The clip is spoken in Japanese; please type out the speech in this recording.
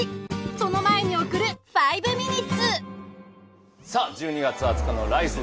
その前に送る「５ミニッツ」さあ１２月２０日の「ＬＩＦＥ！